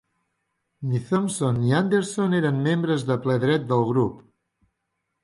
Ni Thompson ni Anderson eren membres de ple dret del grup.